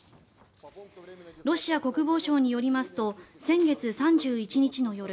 ロシア国防省によりますと先月３１日の夜